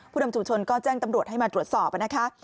นำชุมชนก็แจ้งตำรวจให้มาตรวจสอบนะคะ